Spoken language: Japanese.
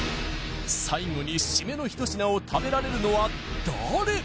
最後に締めのひと品を食べられるのは誰？